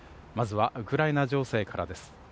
まずはウクライナ情勢からです。